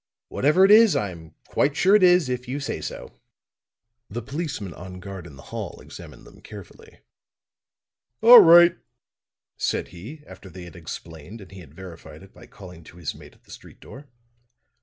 "Whatever it is, I'm quite sure it is if you say so." The policeman on guard in the hall examined them carefully. "All right," said he, after they had explained and he had verified it by calling to his mate at the street door.